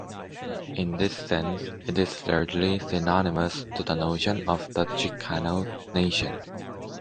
In this sense it is largely synonymous to the notion of the Chicano nation.